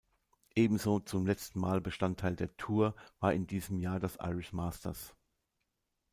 Ebenso zum letzten Mal Bestandteil der Tour war in diesem Jahr das Irish Masters.